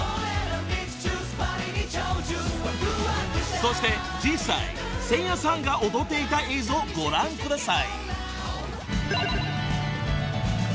［そして実際セイヤさんが踊っていた映像をご覧ください］